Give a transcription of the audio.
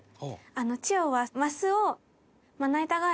千代は。